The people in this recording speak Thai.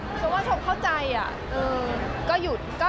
แต่ว่าชมเข้าใจอ่ะ